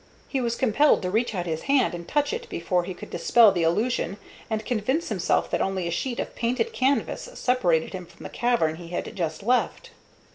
He was compelled to reach out his hand and touch it before he could dispel the illusion and convince himself that only a sheet of painted canvas separated him from the cavern he had just left.